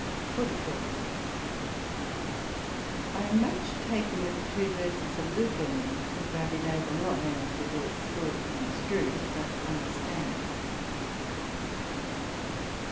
SECT.44 I am much taken with two verses of Lucan, since I have been able not onely as we do at School, to construe, but understand.